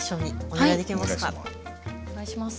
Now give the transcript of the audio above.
お願いします。